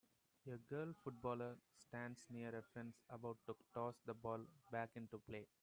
A girl footballer stands near a fence about to toss the ball back into play.